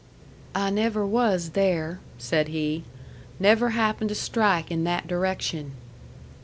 "I never was there," said he. "Never happened to strike in that direction."